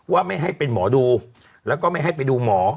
ว่าไม่ให้เป็นหมอดูแล้วก็ไม่ให้ไปดูหมอ